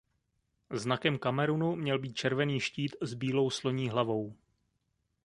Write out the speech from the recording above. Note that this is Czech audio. Znakem Kamerunu měl být červený štít s bílou sloní hlavou.